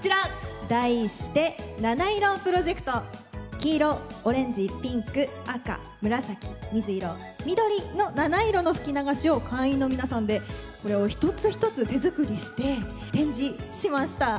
黄色オレンジピンク赤紫水色緑のなないろの吹き流しを会員の皆さんでこれを一つ一つ手作りして展示しました。